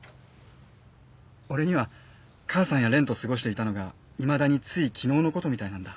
俺には母さんや蓮と過ごしていたのがいまだについ昨日のことみたいなんだ。